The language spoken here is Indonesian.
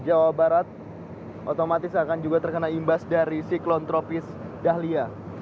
jawa barat otomatis akan juga terkena imbas dari siklon tropis dahlia